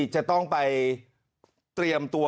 จะต้องไปเตรียมตัว